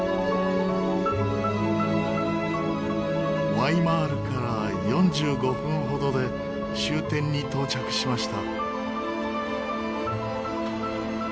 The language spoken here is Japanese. ワイマールから４５分ほどで終点に到着しました。